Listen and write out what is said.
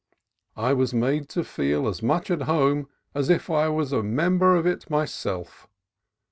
I was made to feel as much at home as if I were a member of it my self.